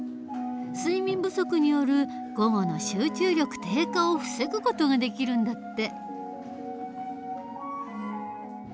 睡眠不足による午後の集中力低下を防ぐ事ができるんだって。